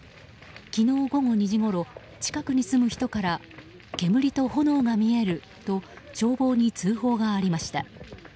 昨日午後２時ごろ近くに住む人から煙と炎が見えると消防に通報がありました。